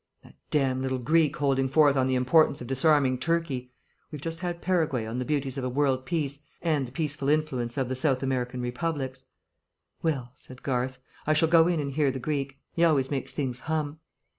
"That damned little Greek holding forth on the importance of disarming Turkey. We've just had Paraguay on the beauties of a world peace and the peaceful influence of the South American republics." "Well," said Garth, "I shall go in and hear the Greek. He always makes things hum."